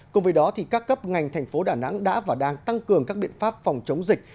cùng với đó các cấp ngành thành phố đà nẵng đã và đang tăng cường các biện pháp phòng chống dịch